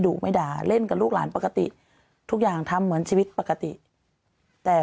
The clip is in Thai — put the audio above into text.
ไม่ด่าเล่นกับลูกหลานปกติทุกอย่างทำเหมือนชีวิตปกติแต่